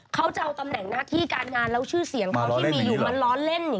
เขาจะเอาตำแหน่งนักฮีการงานแล้วชื่อเสียงเขาที่มีอยู่มาร้อนเล่นอย่างนี้หรอ